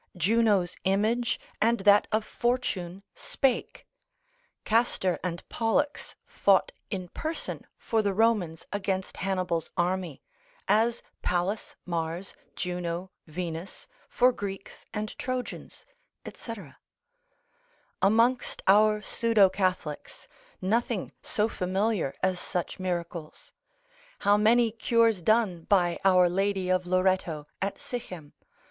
Juno's image and that of Fortune spake, Castor and Pollux fought in person for the Romans against Hannibal's army, as Pallas, Mars, Juno, Venus, for Greeks and Trojans, &c. Amongst our pseudo Catholics nothing so familiar as such miracles; how many cures done by our lady of Loretto, at Sichem!